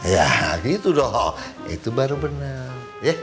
ya gitu dong itu baru benar